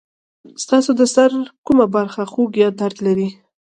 ستاسو د سر کومه برخه خوږ یا درد لري؟